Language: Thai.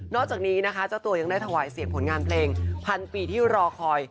อกจากนี้นะคะเจ้าตัวยังได้ถวายเสียงผลงานเพลงพันปีที่รอคอย